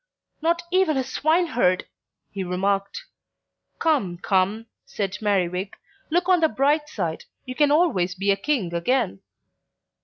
"Not even a swineherd!" he remarked. "Come, come," said Merriwig, "look on the bright side; you can always be a King again."